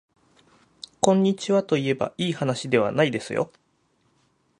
こんにちはといえばいいはなしではないですよ